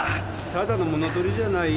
ただの物盗りじゃない？